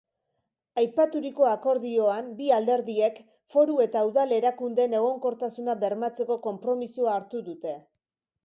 Aipaturiko akordioan bi alderdiek foru eta udal erakundeen egonkortasuna bermatzeko konpromisoa hartu dute.